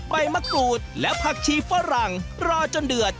ใบมะกรูดและผักชีฝรั่งรอจนเดือด